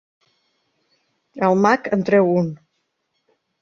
El mag en treu un.